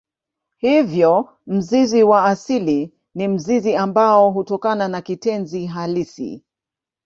Hivyo mzizi wa asili ni mzizi ambao hutokana na kitenzi halisi.